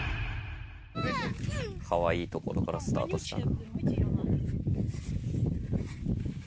かわいいところからスタートしたな。